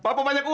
papa banyak uang